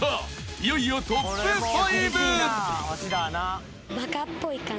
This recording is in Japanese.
［いよいよトップ５］